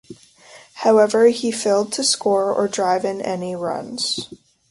However, he failed to score or drive in any runs.